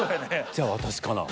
じゃあ私かな。